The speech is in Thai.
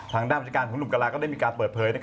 ทางด้านบัญชาการของหนุ่มกะลาก็ได้มีการเปิดเผย